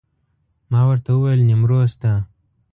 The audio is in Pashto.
ما ورته وویل نیمروز ته.